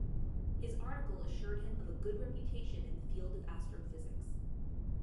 His article assured him of a good reputation in the field of astrophysics.